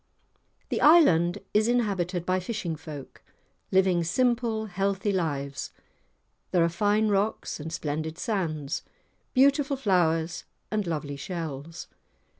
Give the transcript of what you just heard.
The island is inhabited by fishing folk, living simple healthy lives. There are fine rocks and splendid sands; beautiful flowers and lovely shells.